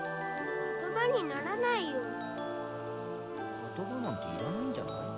言葉なんていらないんじゃない？